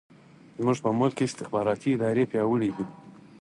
زموږ په ملک کې استخباراتي ادارې پیاوړې دي.